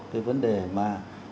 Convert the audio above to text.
cái vấn đề mà